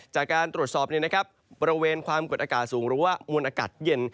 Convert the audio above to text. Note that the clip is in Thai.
จากการตรวจสอบบริเวณความกดอากาศสูงหรือว่ามวลอากาศเย็น